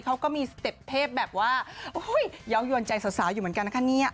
เขาก็มีสเต็ปเทพแบบว่าเยาวยวนใจสาวอยู่เหมือนกันนะคะเนี่ย